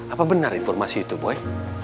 apa benar informasi itu boy